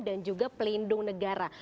dan juga pelindung negara